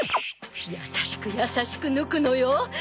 優しく優しく抜くのよ！